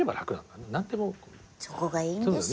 そこがいいんですよ。